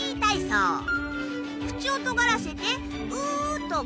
口をとがらせて。